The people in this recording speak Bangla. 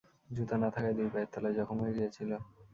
জুতা না থাকায় দুই পায়ের তলায় যখম হয়ে গিয়েছিল।